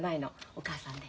お母さんね